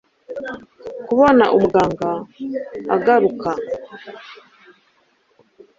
kubona umuganga aguruka